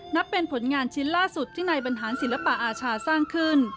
นับเป็นผลงานชิ้นล่าสุดที่ในบรรหารศิลปะอาชาสร้างขึ้น